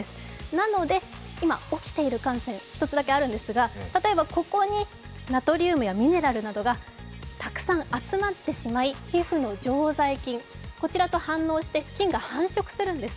なので、今起きている汗腺、１つだけあるんですが例えばここにナトリウムやミネラルなどがたくさん集まってしまい、皮膚の常在菌、こちらと反応して菌が繁殖するんです。